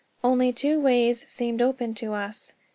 Only two ways seemed open to us.